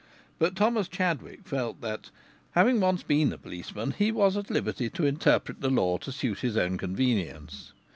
But Thomas Chadwick felt that, having once been a policeman, he was at liberty to interpret the law to suit his own convenience.